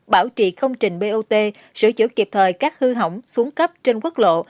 bảo trì công trình bot sửa chữa kịp thời các hư hỏng xuống cấp trên quốc lộ